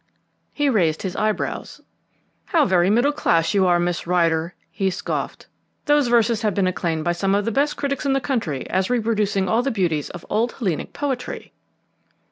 He raised his eyebrows. "How very middle class you are, Miss Rider!" he scoffed. "Those verses have been acclaimed by some of the best critics in the country as reproducing all the beauties of the old Hellenic poetry."